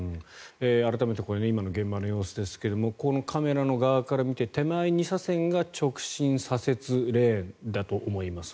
改めて今の現場の様子ですがこのカメラ側から見て手前２車線が直進左折レーンだと思います。